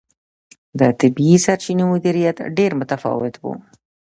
د طبیعي سرچینو مدیریت ډېر متفاوت و.